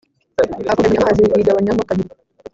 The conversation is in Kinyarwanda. Akubita inkoni amazi yigabanyamo kabiri